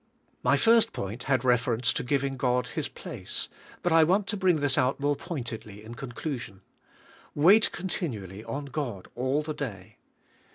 My first point had reference to giving God His place; but I want to bring this out more pointedly in conclusion. Wait continually on God all the day.